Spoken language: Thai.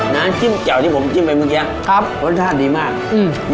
น้ำจิ้มแจ่วที่ผมจิ้มไปเมื่อกี้ครับรสชาติดีมากอืม